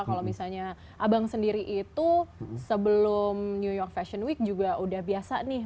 kalau misalnya abang sendiri itu sebelum new york fashion week juga udah biasa nih